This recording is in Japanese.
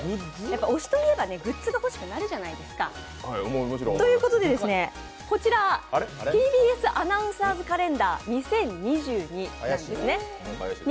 推しといえばグッズが欲しくなるじゃないですか。ということでこちら、「ＴＢＳアナウンサーズカレンダー２０２２」